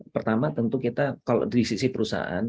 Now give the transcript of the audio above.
pertama tentu kita kalau dari sisi perusahaan